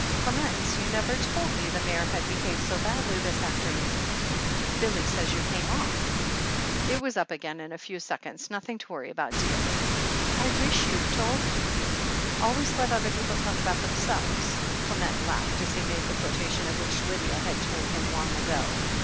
"Clement, you never told me the mare had behaved so badly this afternoon. Billy says you came off." 330 THE HEEL OF ACHILLES 1 was up again in a few seconds — ^nothing to worry about, dear.' "I wish you'd told me." 'Always let the other people talk about themselves,' Clement laughed as he made the quotation, of which Lydia had told him long ago.